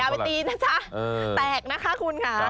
ไปตีนะจ๊ะแตกนะคะคุณค่ะ